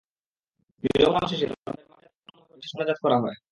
নীরবতা পালন শেষে তাঁদের মাগফিরাত কামনা করে বিশেষ মোনাজাত করা করা হয়।